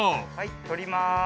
撮ります